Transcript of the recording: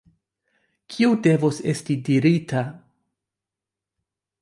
kio devos esti dirita?